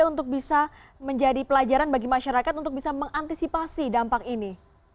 untuk bisa menjadi pelajaran bagi masyarakat untuk bisa mengantisipasi dampak ini